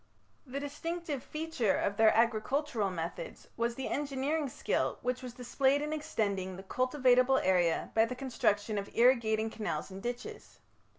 The distinctive feature of their agricultural methods was the engineering skill which was displayed in extending the cultivatable area by the construction of irrigating canals and ditches.